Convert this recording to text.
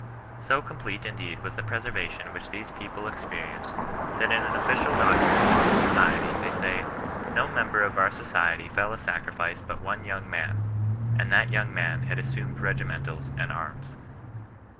So com plete indeed was the preservation which these people experienced, that in an official document of the Society they say, ' No member of our Society fell a sacrifice but one young man ; and that young man had assumed regi mentals and arms.'